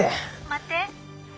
待って。